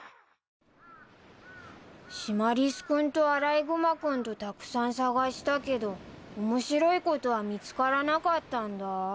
シマリス君とアライグマ君とたくさん探したけど面白いことは見つからなかったんだ。